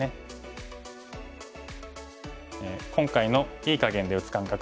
今回の“いい”かげんで打つ感覚